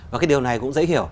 và cái điều này cũng dễ hiểu